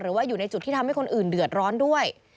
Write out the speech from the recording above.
หรือว่าอยู่ในจุดที่ทำให้คนอื่นเดือดร้อนด้วย